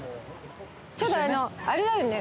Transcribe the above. ちょっとあのうあれだよね。